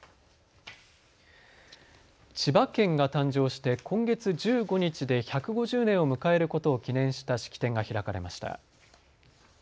千葉県が誕生して今月１５日で１５０年を迎えることを記念した式典が開かれました。